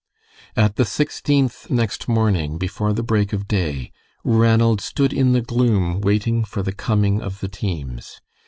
At the Sixteenth next morning, before the break of day, Ranald stood in the gloom waiting for the coming of the teams.